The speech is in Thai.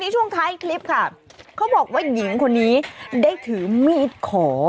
ช่วงท้ายคลิปค่ะเขาบอกว่าหญิงคนนี้ได้ถือมีดขอ